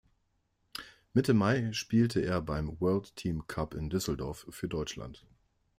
Mitte Mai spielte er beim World Team Cup in Düsseldorf für Deutschland.